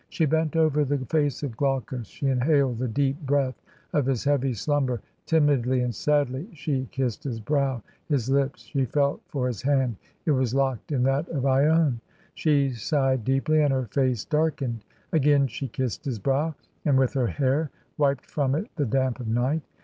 She bent over the face of Glaucus — ^she inhaled the deep breath of his heavy slimiber — ^timidly and sadly she kissed his brow, his lips; she felt for his hand — ^it was locked in that of lone; she* sighed deeply and her face darkened. Again she kissed his brow, and with her hair wiped from it the damp of night.